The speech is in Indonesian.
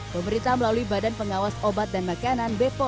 pemerintah melalui badan pengawas obat dan makanan bepom